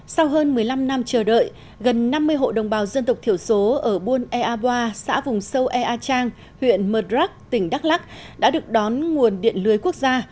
sau hơn một mươi năm năm chờ đợi gần năm mươi hộ đồng bào dân tộc thiểu số ở buôn ea boa xã vùng sâu ea trang huyện mật rắc tỉnh đắk lắc đã được đón nguồn điện lưới quốc gia